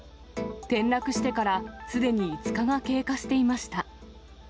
転落してからすでに５日が経過していました。